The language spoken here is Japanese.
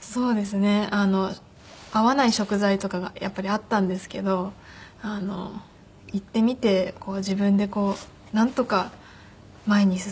合わない食材とかがやっぱりあったんですけど行ってみて自分でこうなんとか前に進まなきゃ。